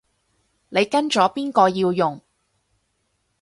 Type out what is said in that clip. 你跟咗邊個要用